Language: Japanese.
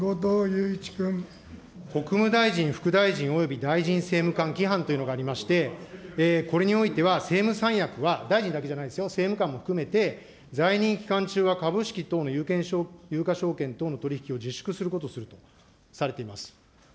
国務大臣、副大臣及び大臣政務官規範というのがありまして、これにおいては政務三役は、大臣だけじゃないですよ、政務官も含めて、在任期間中は株式等の有価証券等の取り引きを自粛することとするとされています。